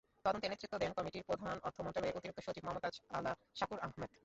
তদন্তের নেতৃত্ব দেন কমিটির প্রধান অর্থ মন্ত্রণালয়ের অতিরিক্ত সচিব মমতাজ আলা শাকুর আহমেদ।